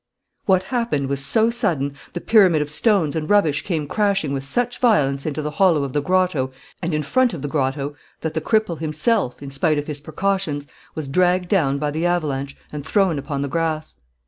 What happened was so sudden, the pyramid of stones and rubbish came crashing with such violence into the hollow of the grotto and in front of the grotto, that the cripple himself, in spite of his precautions, was dragged down by the avalanche and thrown upon the grass.